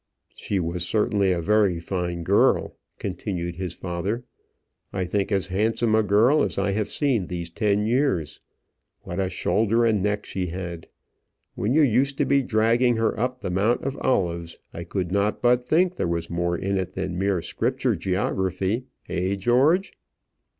"She was certainly a very fine girl," continued his father; "I think as handsome a girl as I have seen these ten years. What a shoulder and neck she had! When you used to be dragging her up the Mount of Olives, I could not but think there was more in it than mere scripture geography eh, George?"